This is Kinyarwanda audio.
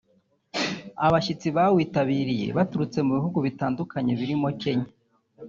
Abashyitsi bawitabiriye baturutse mu bihugu bitandukanye birimo Kenya